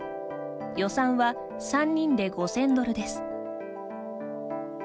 予算は、３人で５０００ドルです。